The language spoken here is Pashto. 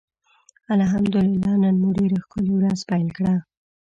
الحمدالله نن مو ډيره ښکلي ورځ پېل کړه.